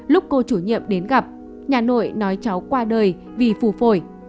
lúc cô chủ nhiệm đến gặp nhà nội nói cháu qua đời vì phù phổi